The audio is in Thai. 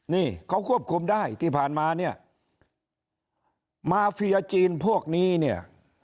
นี่เขาควบคุมได้ที่ผ่านมามาเฟียจีนพวกนี้